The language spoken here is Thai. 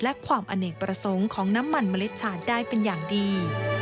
และความอเนกประสงค์ของน้ำมันเมล็ดฉาดได้เป็นอย่างดี